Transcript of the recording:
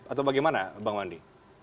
atau bagaimana bang wandi